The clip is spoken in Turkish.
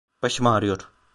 Başım ağrıyor.